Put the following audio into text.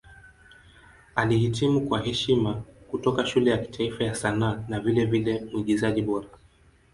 Alihitimu kwa heshima kutoka Shule ya Kitaifa ya Sanaa na vilevile Mwigizaji Bora.